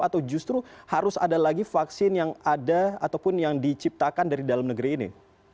atau justru harus ada lagi vaksin yang ada ataupun yang diciptakan dari dalam negeri ini